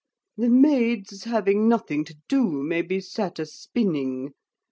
The maids, having nothing to do, may be sat a spinning.